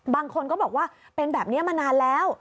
บางคนก็บอกว่าเป็นแบบนี้มานานแล้ว